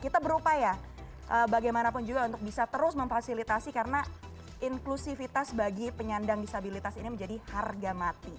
kita berupaya bagaimanapun juga untuk bisa terus memfasilitasi karena inklusivitas bagi penyandang disabilitas ini menjadi harga mati